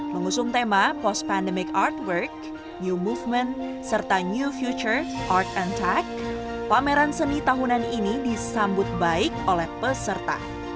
mengusung tema post pandemic artwork new movement serta new future art and tech pameran seni tahunan ini disambut baik oleh peserta